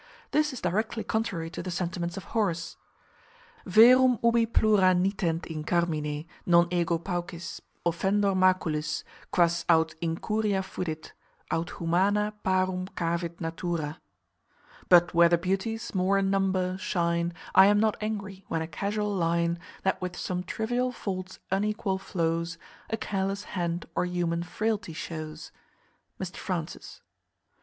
This is directly contrary to the sentiments of Horace: _Verum ubi plura nitent in carmine, non ego paucis Offendor maculis, quas aut incuria fudit, Aut humana parum cavit natura _ But where the beauties, more in number, shine, I am not angry, when a casual line (That with some trivial faults unequal flows) A careless hand or human frailty shows. MR FRANCIS.